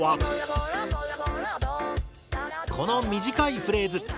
この短いフレーズ。